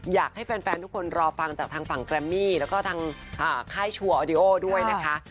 อยากให้แฟนทุกคนรอฟังจากทางฝั่งแกรมมี่แล้วก็ทางค่ายชัวร์ออดิโอด้วยนะคะ